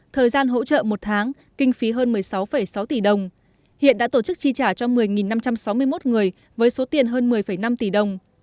thời gian hỗ trợ một tháng kinh phí hơn một mươi sáu sáu tỷ đồng hiện đã tổ chức chi trả cho một mươi năm trăm sáu mươi một người với số tiền hơn một mươi năm tỷ đồng